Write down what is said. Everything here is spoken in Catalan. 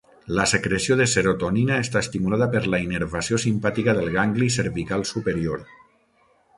La secreció de serotonina està estimulada per la innervació simpàtica del gangli cervical superior.